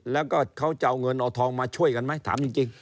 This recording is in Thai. แล้วก็เขาจะเอาเงินเอาทองมาช่วยกันไหมถามจริง